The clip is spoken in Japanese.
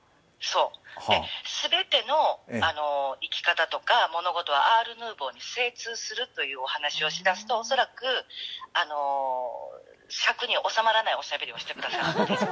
全ての生き方とか物事はアールヌーボーに精通するというお話をしだすと、恐らく尺に収まらない話をしてくれます。